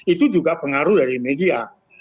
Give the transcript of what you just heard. itu juga pengaruh dari media